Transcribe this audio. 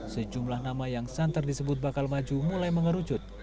sejumlah nama yang santer disebut bakal maju mulai mengerucut